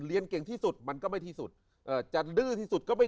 เรียนเก่งที่สุดมันก็ไม่ที่สุดเอ่อจะดื้อที่สุดก็ไม่